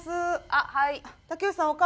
あっはい。